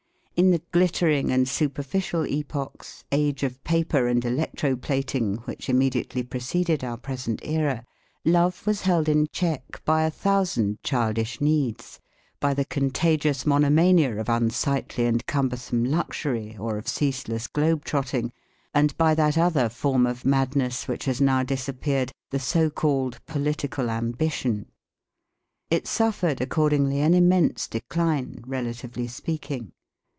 In the glittering and superficial epochs, age of paper and electro plating, which immediately preceded our present era, love was held in check by a thousand childish needs, by the contagious mono mania of unsightly and cumbersome luxury or of ceaseless globe trotting, and by that other form of madness which has now disappeared, the so called political ambition. It suffered accordingly an immense decline, relatively speaking.